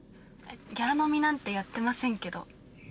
ギャラ飲みなんてやってませんけど。